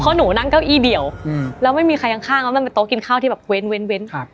เพราะหนูนั่งเก้าอี้เดี่ยวแล้วไม่มีใครข้างแล้วมันเป็นโต๊ะกินข้าวที่แบบเว้นเว้นครับ